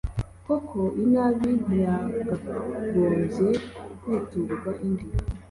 koko inabi ntiyakagombye kwiturwa indi